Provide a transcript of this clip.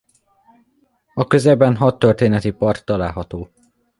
A közelben hadtörténeti park található.